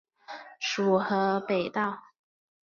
属河北道。